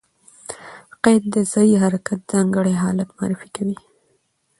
قید د ځایي حرکت ځانګړی حالت معرفي کوي.